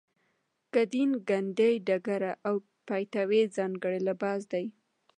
ګدین ګنډۍ ډیګره او پایتاوې ځانګړی لباس دی.